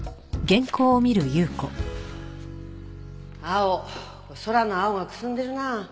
青お空の青がくすんでるなあ。